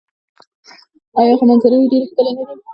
آیا خو منظرې یې ډیرې ښکلې نه دي؟